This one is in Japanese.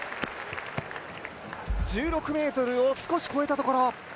１６ｍを少し越えたところ。